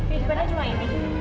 bagaimana cuma ini